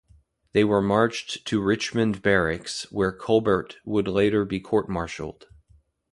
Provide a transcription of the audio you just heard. They were marched to Richmond Barracks, where Colbert would later be court-martialled.